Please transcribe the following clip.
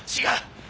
違う！